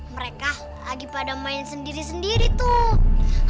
mereka lagi pada main sendiri sendiri tuh